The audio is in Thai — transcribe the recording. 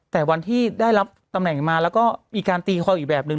แต่วันที่ได้รับตำแหน่งมาแล้วก็มีการตีคออีกแบบนึง